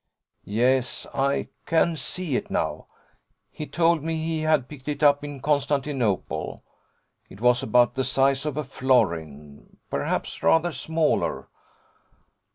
Yes, I can see it now: he told me he had picked it up in Constantinople: it was about the size of a florin, perhaps rather smaller.